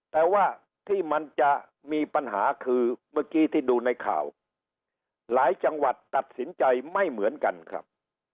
แต่ว่าที่มันจะมีปัญหาคือเมื่อกี้ที่ดูในข่าวหลายจังหวัดตัดสินใจไม่เหมือนกันครับ